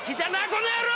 この野郎！